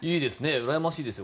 うらやましいですよ。